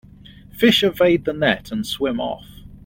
Fish evade the net and swim off.